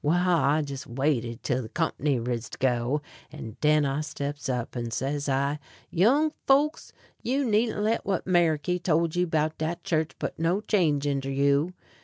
Well, I jes' waited tell the kumpny riz to go, and den I steps up, and says I: "Young folks, you needn't let what Meriky told you 'bout dat church put no change inter you.